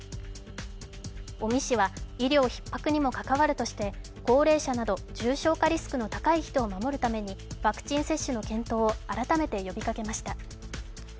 尾身氏は医療ひっ迫にも関わるとして、高齢者など重症化リスクの高い人を守るためにワクチン接種の検討を改めて呼びかけました。